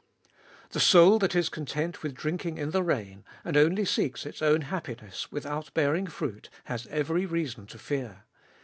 The soul that is content with drinking in the rain, and only seeks its own happiness, without bearing fruit, has every reason to fear.